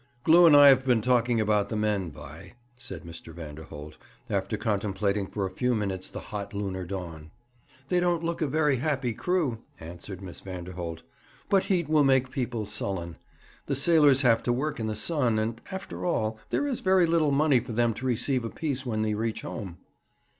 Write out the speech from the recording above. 'Glew and I have been talking about the men, Vi,' said Mr. Vanderholt, after contemplating for a few minutes the hot lunar dawn. 'They don't look a very happy crew,' answered Miss Vanderholt; 'but heat will make people sullen. The sailors have to work in the sun, and, after all, there is very little money for them to receive apiece when they reach home.'